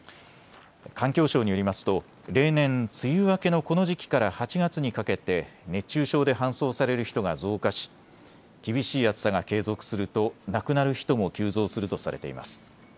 環境省によりますと例年、梅雨明けのこの時期から８月にかけて熱中症で搬送される人が増加し厳しい暑さが継続すると亡くなる人も急増するとされています。